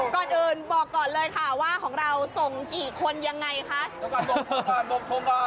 ก่อนอื่นบอกก่อนเลยค่ะว่าของเราส่งกี่คนยังไงคะ